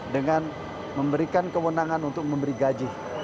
dengan memberikan kewenangan untuk memberi gaji